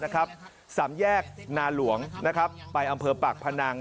สามแยกนาหลวงไปอำเภอปากพนัง